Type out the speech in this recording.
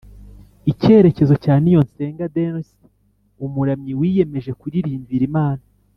icyerekezo cya Niyonsenga denis umuramyi wiyemeje kuririmbira imana